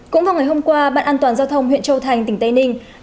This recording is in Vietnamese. cũng vào ngày hôm qua bạn an toàn giao thông huyện châu thành tỉnh tây ninh